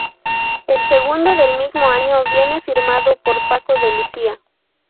El segundo, del mismo año, viene firmado por Paco de Lucía.